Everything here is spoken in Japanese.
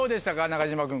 中島君